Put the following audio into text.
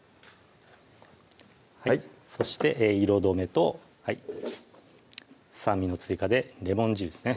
はいそして色止めと酸味の追加でレモン汁ですね